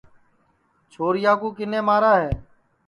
چھوریا کِنے مارے ہے